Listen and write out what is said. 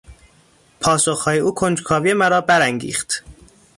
پاسخهای او کنجکاوی مرا برانگیخت.